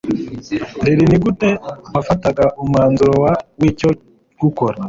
rr ni gute wafataga umwanzuro w icyo gukora